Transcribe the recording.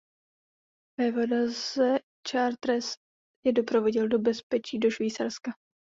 Vévoda ze Chartres je doprovodil do bezpečí do Švýcarska.